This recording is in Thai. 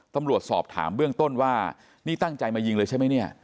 ตำรวจสอบถามเบื้องต้นว่านี่ตั้งใจมายิงเลยใช่ไหมเนี่ย